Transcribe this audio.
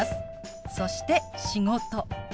そして「仕事」。